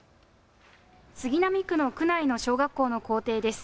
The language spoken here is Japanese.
杉並区の区内の小学校の校庭です。